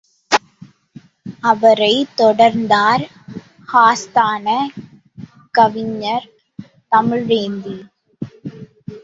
அவரைத் தொடர்ந்தார் ஆஸ்தான கவிஞர் தமிழேந்தி!